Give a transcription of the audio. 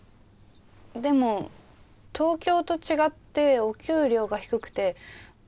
でも東京と違ってお給料が低くて。